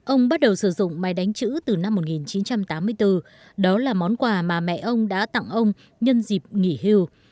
ông bắt đầu sử dụng máy đánh chữ từ năm một nghìn chín trăm tám mươi bốn đó là món quà mà mẹ ông đã tặng ông nhân dịp nghỉ hưu